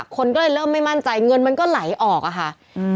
คนก็เลยเริ่มไม่มั่นใจเงินมันก็ไหลออกอะค่ะ